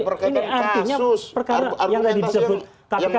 perkenaan kasus ini artinya perkaranya yang